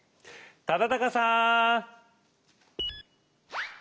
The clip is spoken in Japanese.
忠敬さん！